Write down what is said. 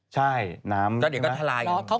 ใช่น้ำเดี๋ยวก็ทะลายกัน